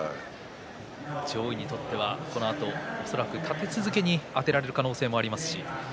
上位にとってはあるいは立て続けにあてられる可能性があります。